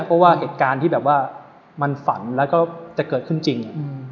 เพราะว่าเหตุการณ์ที่แบบว่ามันฝันแล้วก็จะเกิดขึ้นจริง